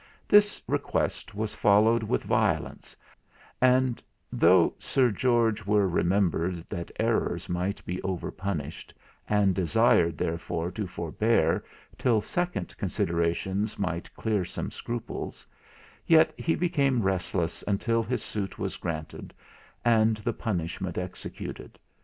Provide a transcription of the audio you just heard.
This request was followed with violence; and though Sir George were remembered that errors might be over punished, and desired therefore to forbear till second considerations might clear some scruples, yet he became restless until his suit was granted and the punishment executed.